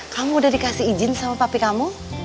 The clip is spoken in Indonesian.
kamu udah dikasih izin sama papi kamu